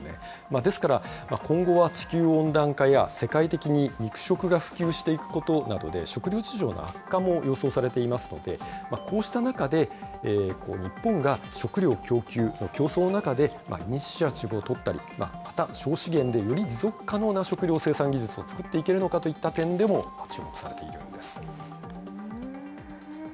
ですから、今後は地球温暖化や世界的に肉食が普及していくことなどで、食料事情の悪化も予想されていますので、こうした中で、日本が食料供給、競争の中で、イニシアティブをとったり、省資源でより可能な食料生産技術を作っていけるのかといった点でも注目されているんです。